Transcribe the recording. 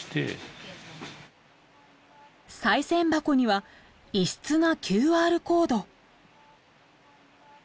賽銭箱には異質なＱＲコード。